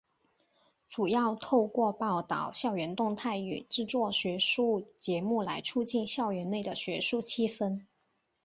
主要透过报导校园动态与制作学术节目来促进校园内的学术气氛。